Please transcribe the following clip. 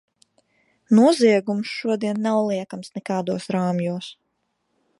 Noziegums šodien nav liekams nekādos rāmjos.